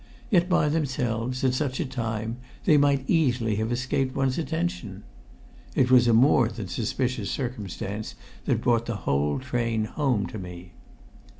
Yet by themselves, at such a time, they might easily have escaped one's attention. It was a more than suspicious circumstance that brought the whole train home to me.